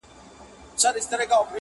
• څوک یې ژړولي پرې یا وړی یې په جبر دی,